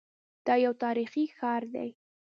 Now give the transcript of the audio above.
دا یو تاریخي ښار دی.